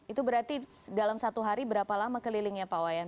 itu berarti dalam satu hari berapa lama kelilingnya pak wayan